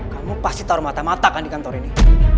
kamu pasti tau mata matakan di kantor ini